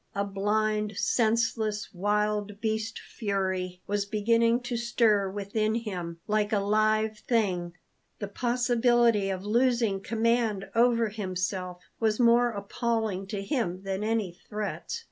A blind, senseless, wild beast fury was beginning to stir within him like a live thing. The possibility of losing command over himself was more appalling to him than any threats.